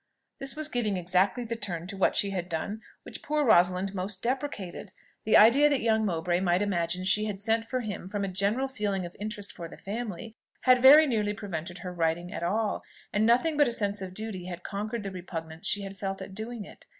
This was giving exactly the turn to what she had done which poor Rosalind most deprecated. The idea that young Mowbray might imagine she had sent for him from a general feeling of interest for the family, had very nearly prevented her writing at all and nothing but a sense of duty had conquered the repugnance she felt at doing it.